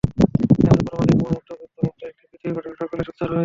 আসুন পারমাণবিক বোমা মুক্ত, যুদ্ধ মুক্ত একটি পৃথিবী গঠনে সকলে সোচ্চার হই।